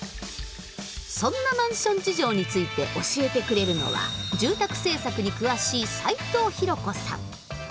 そんなマンション事情について教えてくれるのは住宅政策に詳しい齊藤広子さん。